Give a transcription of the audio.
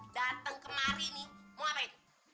datang kemari nih mau apa ini